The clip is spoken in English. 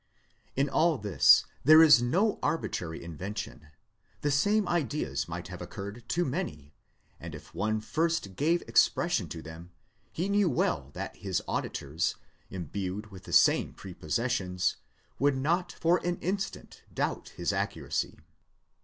In all this there is no arbitrary invention : the same ideas might have occurred to many, and if one first gave expression to them, he knew well that his auditors, imbued with the same prepossessions, would not for an instant doubt his accuracy."